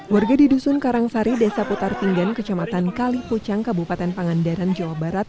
warga di dusun karangsari desa putar pinggan kecamatan kalipucang kabupaten pangandaran jawa barat